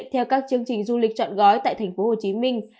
theo các chương trình du lịch chọn gói tại thành phố hồ chí minh